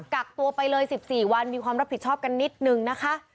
กักตัวไปเลย๑๔วันมีความรับผิดชอบกันนิดนึงนะคะ